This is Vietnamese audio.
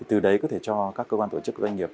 từ đấy có thể cho các cơ quan tổ chức doanh nghiệp